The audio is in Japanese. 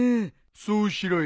そうしろよ